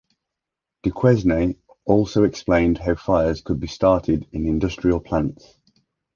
Duquesne also explained how fires could be started in industrial plants.